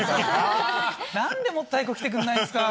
何でもっと早く来てくんないんすか。